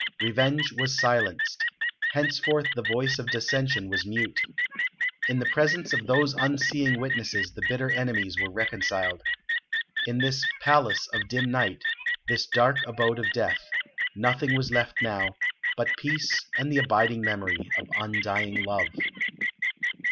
Revenge was silenced; henceforth the voice of dissension was mute. In the presence of those unseeing witnesses the bitter enemies were reconciled. In this "palace of dim night," this dark abode of death, nothing was left now but peace and the abiding memory of undying love.